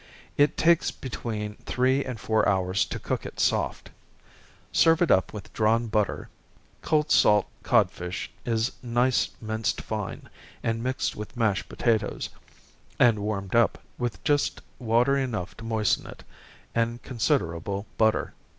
It takes between three and four hours to cook it soft serve it up with drawn butter. Cold salt codfish is nice minced fine, and mixed with mashed potatoes, and warmed up, with just water enough to moisten it, and considerable butter.